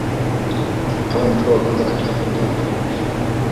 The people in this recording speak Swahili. Kama mtoto wa kwanza katika familia ya watoto wawili.